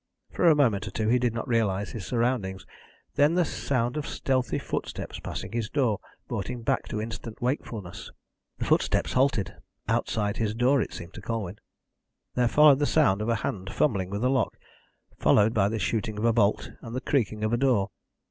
For a moment or two he did not realise his surroundings, then the sound of stealthy footsteps passing his door brought him back to instant wakefulness. The footsteps halted outside his door, it seemed to Colwyn. There followed the sound of a hand fumbling with a lock, followed by the shooting of a bolt and the creaking of a door.